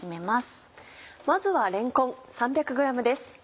まずはれんこん３００ｇです。